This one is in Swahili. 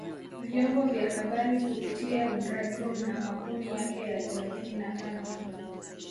vyombo vya habari kupitia Bradroom na kampuni yake ya thelathini na tano